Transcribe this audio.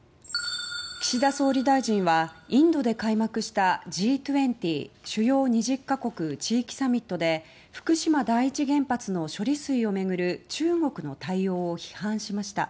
岸田総理大臣はインドで開幕したＧ２０・主要２０か国地域サミットで福島第一原発の処理水を巡る中国の対応を批判しました。